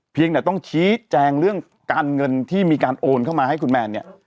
เพียงแต่ต้องชี้แจงเรื่องการเงินที่มีการโอนเข้ามาให้คุณแมนเนี่ย